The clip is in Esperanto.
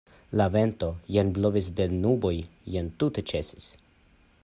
La vento jen blovis de la nuboj, jen tute ĉesis.